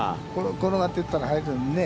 転がってったら、入るのにね。